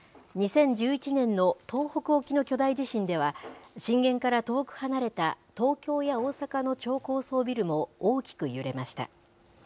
２０１１年の東北沖の巨大地震では、震源から遠く離れた東京や大阪の超高層ビルも大きく揺れました。